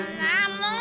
もう！